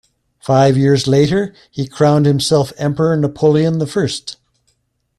Five years later, he crowned himself Emperor Napoleon the First.